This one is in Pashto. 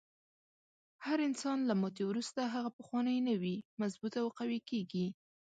هر انسان له ماتې وروسته هغه پخوانی نه وي، مضبوط او قوي کیږي.